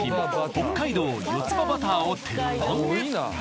北海道よつ葉バターを鉄板へそこへ